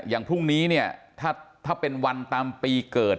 อย่างพรุ่งนี้เนี่ยถ้าเป็นวันตามปีเกิด